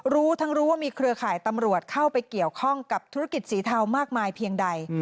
รู้ทั้งรู้ว่ามีเครือข่ายตำรวจเข้าไปเกี่ยวข้องกับธุรกิจสีเทามากมายเพียงใด